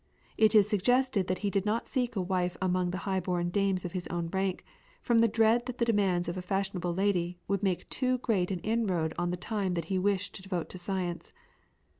It is suggested that he did not seek a wife among the highborn dames of his own rank from the dread that the demands of a fashionable lady would make too great an inroad on the time that he wished to devote to science.